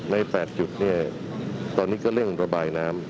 ใน๘จุดเนี่ยตอนนี้ก็เร่งระบายน้ำ